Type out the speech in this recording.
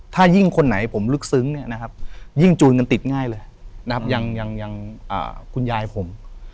ถ้ายิ่งคนไหนผมลึกซึ้งยิ่งจูลกันติดง่ายเลยยังคุณยายผม